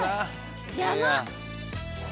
山！